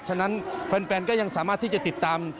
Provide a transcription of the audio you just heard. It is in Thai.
ฉะนั้นแฟนก็ยังสามารถที่จะติดตาม